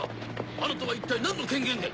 あなたは一体何の権限で。